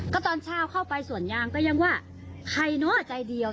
ก็ตอนเช้าเข้าไปสวนยางก็ยังว่าใครเนอะใจเดียว